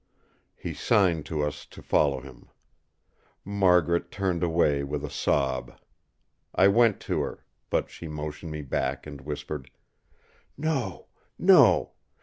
He signed to us to follow him. Margaret turned away with a sob. I went to her; but she motioned me back and whispered: "No, no!